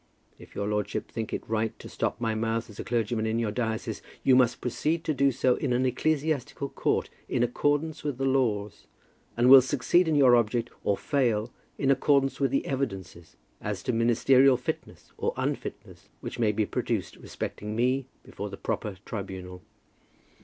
If your lordship think it right to stop my mouth as a clergyman in your diocese, you must proceed to do so in an ecclesiastical court in accordance with the laws, and will succeed in your object, or fail, in accordance with the evidences as to ministerial fitness or unfitness, which may be produced respecting me before the proper tribunal.